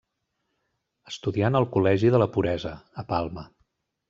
Estudià en el Col·legi de la Puresa, a Palma.